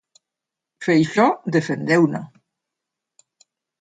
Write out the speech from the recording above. Feixóo defendeuna.